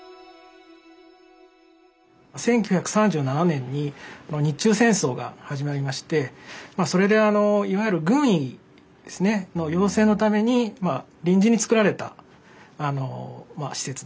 １９３７年に日中戦争が始まりましてまあそれでいわゆる軍医ですねの養成のために臨時につくられたあのまあ施設だということで。